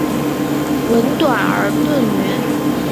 吻短而钝圆。